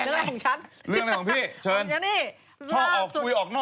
เรื่องอะไรของฉัน